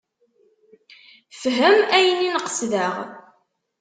Fhem ayen i n-qesdeɣ.